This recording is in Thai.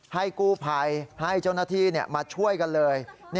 ให้กู้ภัยให้เจ้าหน้าที่มาช่วยกันเลย